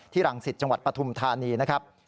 ที่หลังศิษย์จังหวัดปฐุมธานีนะครับ